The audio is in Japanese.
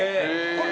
これ。